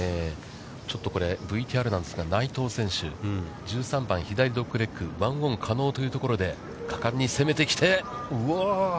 ちょっとこれＶＴＲなんですが、内藤選手、１３番、左ドッグレッグ、ワンオン可能というところで、果敢に攻めてきて。